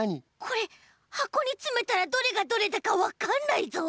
これはこにつめたらどれがどれだかわかんないぞ。